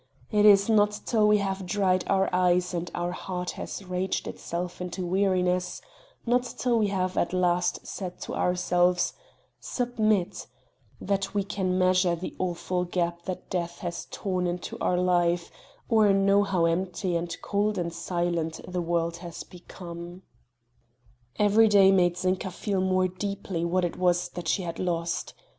It is not till we have dried our eyes and our heart has raged itself into weariness not till we have at last said to ourselves: "submit," that we can measure the awful gap that death has torn in our life, or know how empty and cold and silent the world has become. Every day made Zinka feel more deeply what it was that she had lost.